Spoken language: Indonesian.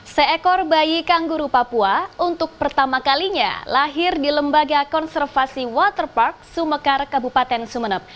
seekor bayi kangguru papua untuk pertama kalinya lahir di lembaga konservasi waterpark sumekar kabupaten sumeneb